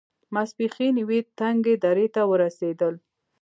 ماسپښين يوې تنګې درې ته ورسېدل.